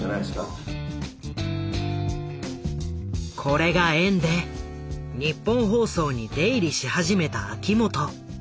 これが縁でニッポン放送に出入りし始めた秋元。